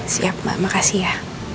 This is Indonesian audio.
siap mbak makasih ya